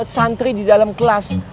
santri di dalam kelas